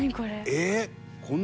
「えっ？」